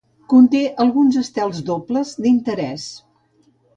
Conté alguns estels dobles d'interès.